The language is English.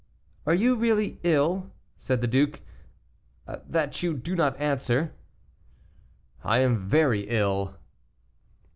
"Are you really ill," said the duke, "that you do not answer?" "I am very ill."